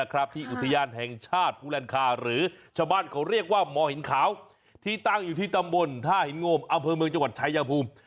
ที่อุทยานแห่งชาติภูแลนคาหรือชาวบ้านเขาเรียกว่ามหินขาวที่ตั้งอยู่ที่ตำบลท่าหินโงมอำเภอเมืองจังหวัดชายภูมิ